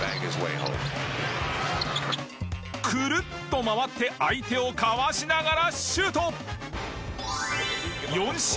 くるっと回って相手をかわしながらシュート！を記録！